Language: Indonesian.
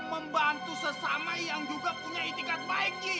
lo membantu sesama yang juga punya itikat baik ji